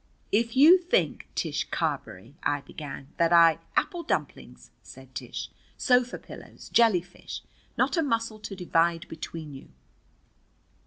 "If you think, Tish Carberry," I began, "that I " "Apple dumplings!" said Tish. "Sofa pillows! Jellyfish! Not a muscle to divide between you!"